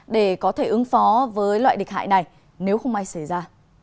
để có thể ứng phó với loại địch hại này nếu không may xảy ra